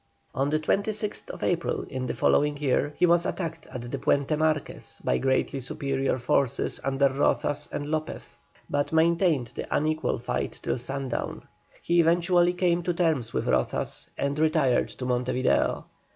On the 26th April in the following year he was attacked at the Puente Marquez by greatly superior forces under Rozas and Lopez, but maintained the unequal fight till sundown. He eventually came to terms with Rozas, and retired to Monte Video.